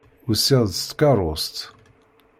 Usiɣ-d s tkeṛṛust.